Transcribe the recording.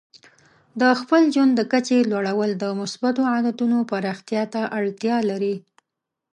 د خپل ژوند د کچې لوړول د مثبتو عادتونو پراختیا ته اړتیا لري.